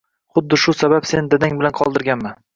Xuddi shu sabab seni dadang bilan qoldirganman